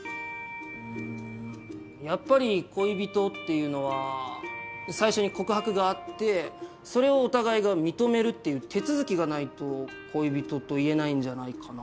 やっぱり恋人っていうのは最初に告白があってそれをお互いが認めるっていう手続きがないと恋人と言えないんじゃないかな？